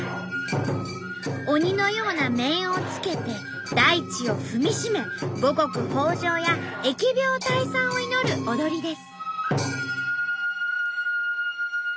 鬼のような面をつけて大地を踏みしめ五穀豊穣や疫病退散を祈る踊りです。